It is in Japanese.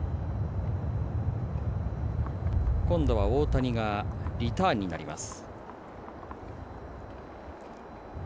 今度は大谷がリターンになります。